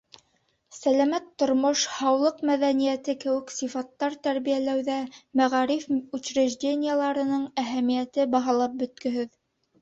Сәләмәт тормош, һаулыҡ мәҙәниәте кеүек сифаттар тәрбиәләүҙә мәғариф учреждениеларының әһәмиәте баһалап бөткөһөҙ.